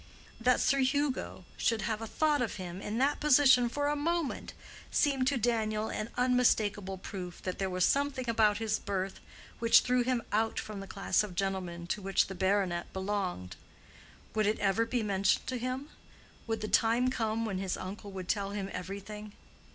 That Sir Hugo should have thought of him in that position for a moment, seemed to Daniel an unmistakable proof that there was something about his birth which threw him out from the class of gentlemen to which the baronet belonged. Would it ever be mentioned to him? Would the time come when his uncle would tell him everything?